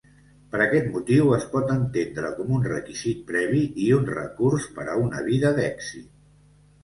Per aquest motiu, es pot entendre com un requisit previ i un recurs per a una vida d'èxit.